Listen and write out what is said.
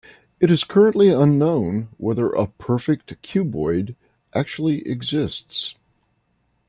It is currently unknown whether a perfect cuboid actually exists.